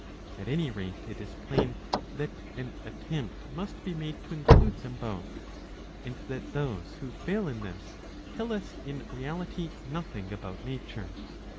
^^ At any rate it is plain that an attempt must be made to include them both ; and that those who fail in this tell us in reality nothing about nature.